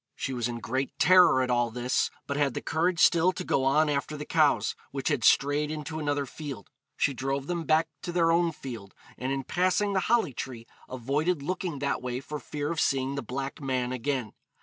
She was in great terror at all this, but had the courage still to go on after the cows, which had strayed into another field. She drove them back to their own field, and in passing the holly tree avoided looking that way for fear of seeing the black man again.